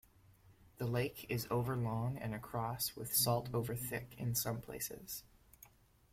The lake is over long and across with salt over thick in some places.